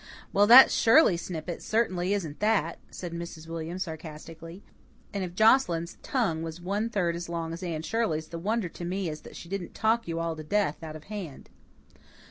"Well, that Shirley snippet certainly isn't that," said Mrs. William sarcastically. "And if Joscelyn's tongue was one third as long as Anne Shirley's the wonder to me is that she didn't talk you all to death out of hand."